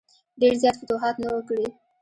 ډېر زیات فتوحات نه وه کړي.